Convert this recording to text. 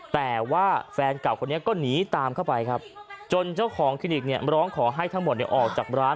แต่ว่าแฟนเก่าคนนี้ก็หนีตามเข้าไปครับจนเจ้าของคลินิกเนี่ยร้องขอให้ทั้งหมดออกจากร้าน